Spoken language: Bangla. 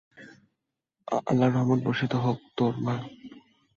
আল্লাহর রহমত বর্ষিত হোক তোর-- মা!